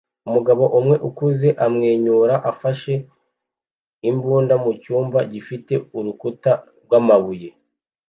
Umugabo umwe ukuze amwenyura ufashe imbunda mucyumba gifite urukuta rw'amabuye